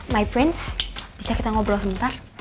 my prince bisa kita ngobrol sebentar